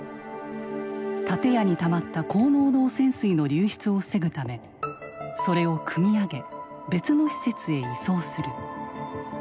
建屋にたまった高濃度汚染水の流出を防ぐためそれをくみ上げ別の施設へ移送する。